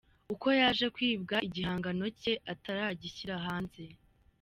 Uko yaje kwibwa igihangano cye ataragishyira hanze.